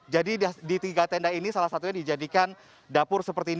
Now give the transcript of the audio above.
jadi di tiga tenda ini salah satunya dijadikan dapur seperti ini